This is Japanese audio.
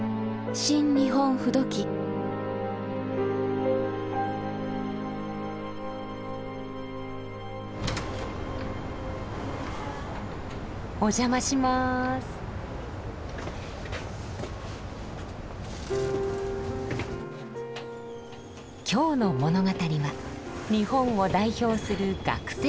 今日の物語は日本を代表する学生の街から。